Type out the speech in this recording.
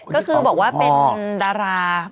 ก็คือบอกว่าเป็นดารา